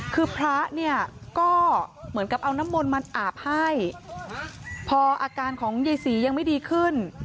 คือพระเนี่ยก็เหมือนกับเอาน้ำมนต์มาอาบให้พออาการของยายศรียังไม่ดีขึ้น